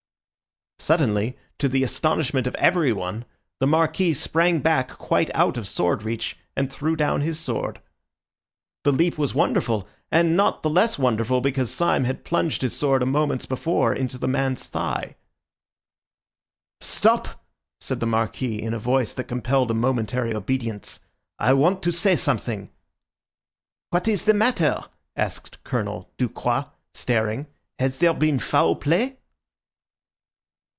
Suddenly, to the astonishment of everyone the Marquis sprang back quite out of sword reach and threw down his sword. The leap was wonderful, and not the less wonderful because Syme had plunged his sword a moment before into the man's thigh. "Stop!" said the Marquis in a voice that compelled a momentary obedience. "I want to say something." "What is the matter?" asked Colonel Ducroix, staring. "Has there been foul play?"